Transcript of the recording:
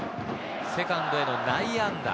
セカンドへの内野安打。